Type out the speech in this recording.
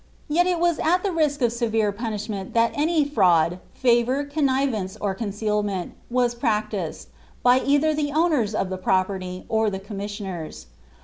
Yet it was at the risk of severe pun iriunent that any fraud, favour, connivance, or concealment, was prac tised, by either the owners of the, property, or the commissioners.'